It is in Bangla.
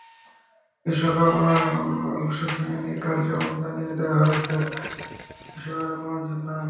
বিশ্বকাপযজ্ঞ অবশ্য থেমে নেই, কাল যেমন জানিয়ে দেওয়া হয়েছে বিশ্বকাপের রঙ্গমঞ্চের নাম।